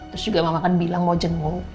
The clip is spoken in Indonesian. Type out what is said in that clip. terus juga mama kan bilang mau jenuh